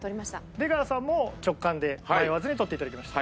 出川さんも直感で迷わずに取っていただきました。